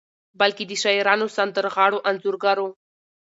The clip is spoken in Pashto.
بلکې د شاعرانو، سندرغاړو، انځورګرو